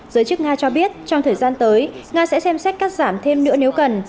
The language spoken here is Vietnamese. giới chức nga cho biết trong thời gian tới nga sẽ xem xét cắt giảm thêm nữa nếu cần